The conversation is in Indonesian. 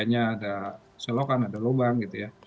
ada selokan ada lubang gitu ya